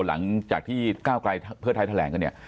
หลังจากที่ก้าวไกลเพื่อไทยแถลงกันเนี่ย